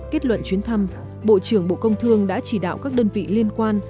kết luận chuyến thăm bộ trưởng bộ công thương đã chỉ đạo các đơn vị liên quan